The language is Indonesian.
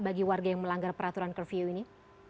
bagi warga yang melanggar peraturan curfew ini